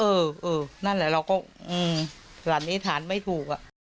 เออนั่นแหละเราก็สันนิษฐานไม่ถูก